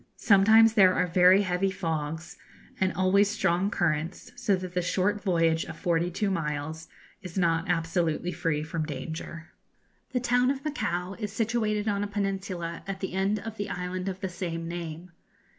Sometimes there are very heavy fogs, and always strong currents, so that the short voyage of forty two miles is not absolutely free from danger. The town of Macao is situated on a peninsula at the end of the island of the same name.